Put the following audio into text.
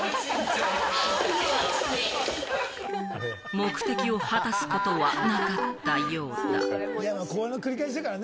目的を果たすことはなかったようだ。